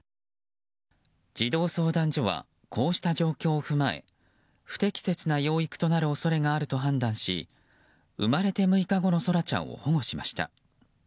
児童相談所はこうした状況を踏まえ不適切な養育となる恐れがあると判断し生まれて６日後の空来ちゃんを保護しました。